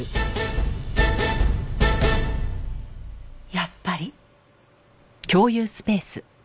やっぱり。